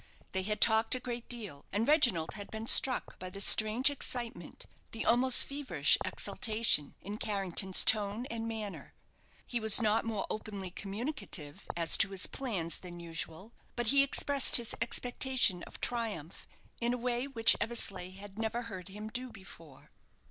They had talked a great deal, and Reginald had been struck by the strange excitement the almost feverish exultation in Carrington's tone and manner. He was not more openly communicative as to his plans than usual, but he expressed his expectation of triumph in a way which Eversleigh had never heard him do before.